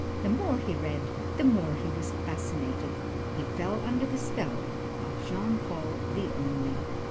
The more he read, the more he was fascinated. He fell under the spell of Jean Paul the Only.